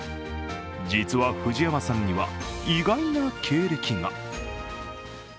実は、藤山さんには意外な経歴が。